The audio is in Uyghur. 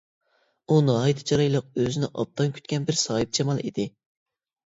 ئۇ ناھايىتى چىرايلىق، ئۆزىنى ئوبدان كۈتكەن بىر ساھىبجامال ئىدى.